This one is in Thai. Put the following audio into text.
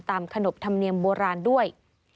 ขนบธรรมเนียมโบราณด้วย